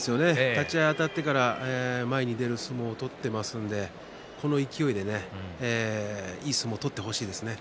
立ち合いあたってから前に出る相撲を取っていますのでこの勢いでいい相撲を取ってほしいですね。